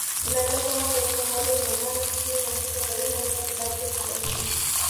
Inaelezwa mwaka elfu moja mia nane sitini na sita Kayuni alipata bahati ya kuzaliwa